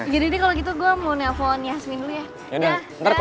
jadi kalau gitu gue mau nevon yasmin dulu ya